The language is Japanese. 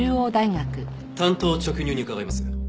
単刀直入に伺います。